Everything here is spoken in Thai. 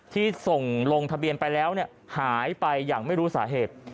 ที่ส่งลงทะเบียนไปแล้วหายไปอย่างไม่รู้สาเหตุ